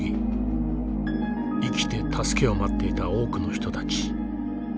生きて助けを待っていた多くの人たち。